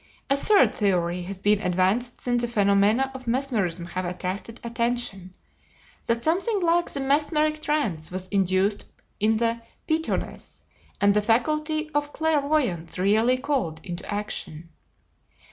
A third theory has been advanced since the phenomena of Mesmerism have attracted attention, that something like the mesmeric trance was induced in the Pythoness, and the faculty of clairvoyance really called into action.